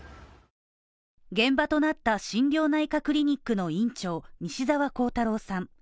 現場となった心療内科クリニックの院長西澤弘太郎さん。